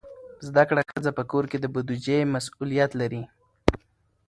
زده کړه ښځه په کور کې د بودیجې مسئولیت لري.